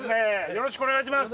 よろしくお願いします。